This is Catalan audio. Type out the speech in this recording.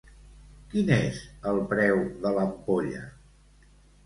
Quin és el preu de l'ampolla?